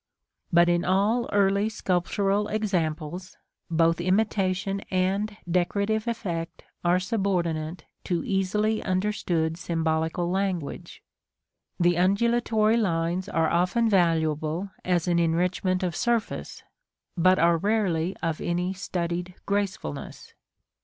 But in all early sculptural examples, both imitation and decorative effect are subordinate to easily understood symbolical language; the undulatory lines are often valuable as an enrichment of surface, but are rarely of any studied gracefulness.